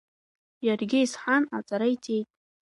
Иаргьы изҳан, аҵара иҵеит.